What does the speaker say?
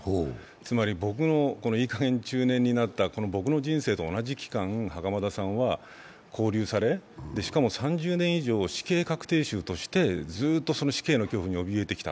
つまり、いい加減、中年になった僕の人生と同じ期間、袴田さんは勾留され、しかも３０年以上、死刑確定囚としてずーっと死刑の恐怖におびえてきた。